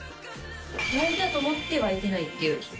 沸いたと思って沸いてないっていう。